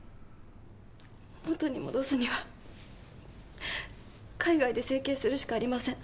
元に戻すにはううっ海外で整形するしかありません。